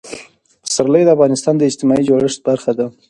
پسرلی د افغانستان د اجتماعي جوړښت برخه ده.